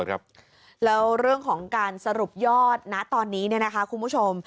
แล้วเรื่องของการสรุปยอดณตอนนี้คุณผู้ชม